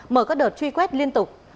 mở các đợt truy quét liên tục